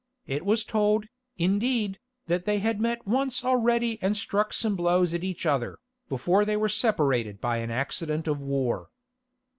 It was told, indeed, that they had met once already and struck some blows at each other, before they were separated by an accident of war.